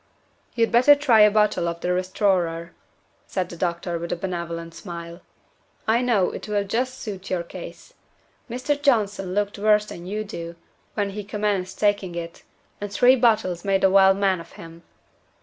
"You'd better try a bottle of the RESTORER," said the doctor with a benevolent smile. "I know it will just suit your case. Mr. Johnson looked worse than you do, when he commenced taking it, and three bottles made a well man of him."